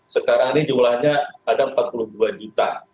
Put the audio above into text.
sekarang ini jumlahnya ada empat puluh dua juta